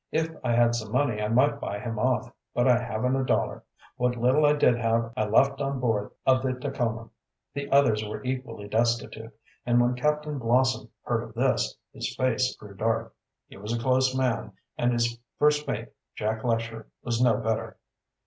"If I had some money I might buy him off, but I haven't a dollar. What little I did have I left on board of the Tacoma." The others were equally destitute, and when Captain Blossom heard of this his face grew dark. He was a close man, and his first mate, Jack Lesher, was no better.